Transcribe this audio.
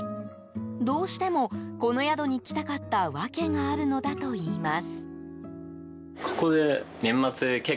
どうしてもこの宿に来たかった訳があるのだといいます。